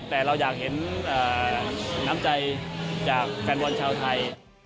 แต่เราอยากเห็นน้ำใจจากแฟนบอลชาวไทย